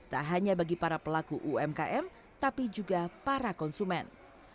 tak hanya bagi para pelaku umkm tapi juga para konsumen